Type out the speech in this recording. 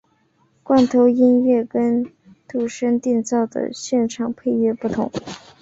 罐头音乐跟度身订造的现场配乐不同。